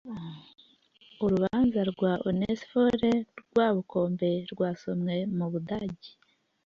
Urubanza rwa Onesphore Rwabukombe rwasomwe m'Ubudage.